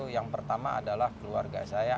yang pertama adalah keluarga saya